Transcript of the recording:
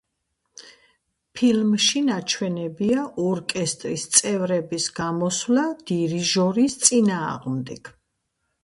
ფილმში ნაჩვენებია ორკესტრის წევრების გამოსვლა დირიჟორის წინააღმდეგ.